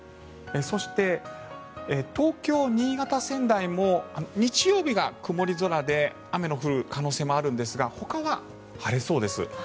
そして、東京、新潟、仙台も日曜日が曇り空で雨の降る可能性もあるんですがほかは晴れそうです。